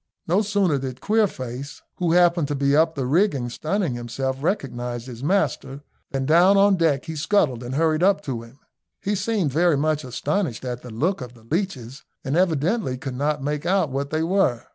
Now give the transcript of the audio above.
No sooner did Queerface, who happened to be up the rigging sunning himself, recognise his master, than down on deck he scuttled and hurried up to him. He seemed very much astonished at the look of the leeches, and evidently could not make out what they were.